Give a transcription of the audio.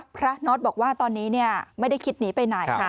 พระนอธบอกว่าตอนนี้ไม่ได้คิดหนีไปไหน